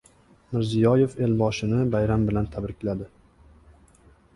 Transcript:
Mirziyoyev Elboshini bayram bilan tabrikladi